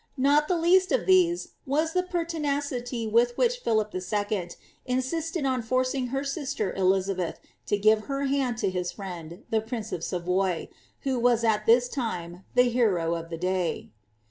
Not the leMt of theee was die pertinacity with whiek Philip IL insisted on her kxang her sister Eliaabeth to give her hand to km friend the prince of Savoy, who was, at this time, the hero of d» day.